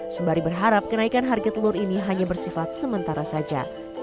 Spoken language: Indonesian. sembari berharap kenaikan harga telur ini hanya bersifat sementara saja